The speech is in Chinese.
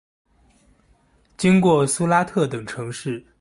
经过苏拉特等城市。